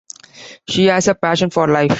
She has a passion for life.